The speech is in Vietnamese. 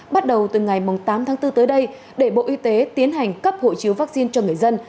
bắt đầu từ ngày tám tháng bốn tới đây để bộ y tế tiến hành cấp hộ chiếu vaccine cho người dân